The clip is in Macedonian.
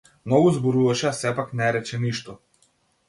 Многу зборуваше а сепак не рече ништо.